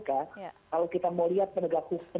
kalau kita mau lihat penegak hukum